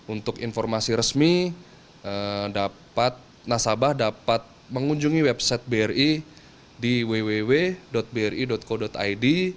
untuk informasi resmi nasabah dapat mengunjungi website bri di www bri co id